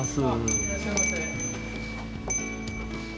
いらっしゃいませ。